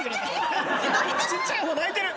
ちっちゃい方泣いてる。